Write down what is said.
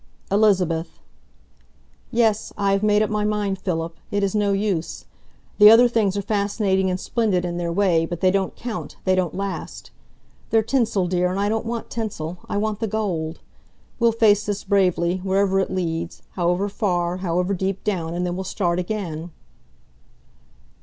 "Elizabeth!" "Yes, I have made up my mind, Philip. It is no use. The other things are fascinating and splendid in their way, but they don't count, they don't last. They're tinsel, dear, and I don't want tinsel I want the gold. We'll face this bravely, wherever it leads, however far, however deep down, and then we'll start again."